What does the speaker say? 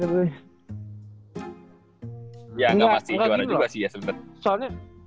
ya gak pasti juara juga sih ya